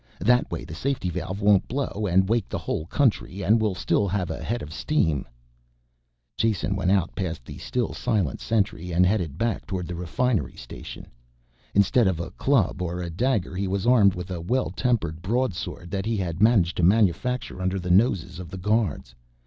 That way the safety valve won't blow and wake the whole country and we'll still have a head of steam." Jason went out past the still silent sentry and headed back towards the refinery station. Instead of a club or a dagger he was armed with a well tempered broadsword that he had managed to manufacture under the noses of the guards.